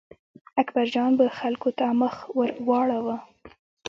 اکبرجان به خلکو ته مخ ور واړاوه.